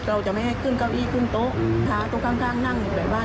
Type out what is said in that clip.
เราจะไม่ให้ขึ้นเก้าอี้ขึ้นโต๊ะพระโต๊ะข้างนั่งอยู่แต่บ้าน